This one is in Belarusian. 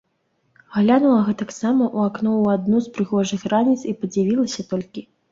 Глянула гэтаксама у акно ў адну з прыгожых раніц і падзівілася толькі.